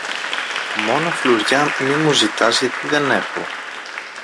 Μόνο φλουριά μη μου ζητάς γιατί δεν έχω.